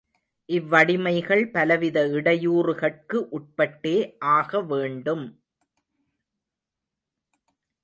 இவ்வடிமைகள் பலவித இடையூறுகட்கு உட்பட்டே ஆகவேண்டும்.